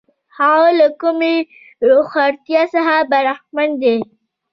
هغه له کمې هوښیارتیا څخه برخمن دی.